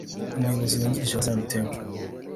umuyobozi wungirije wa Zion Temple